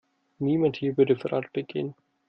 Niemand hier würde Verrat begehen.